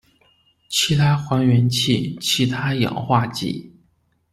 其他还原器其他氧化剂